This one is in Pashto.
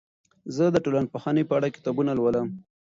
زه د ټولنپوهنې په اړه کتابونه لولم.